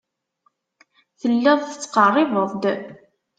Telliḍ tettqerribeḍ-d.